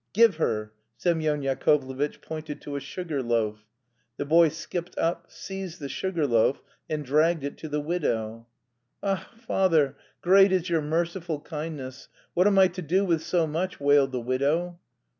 "Give her!" Semyon Yakovlevitch pointed to a sugar loaf. The boy skipped up, seized the sugar loaf and dragged it to the widow. "Ach, father; great is your merciful kindness. What am I to do with so much?" wailed the widow.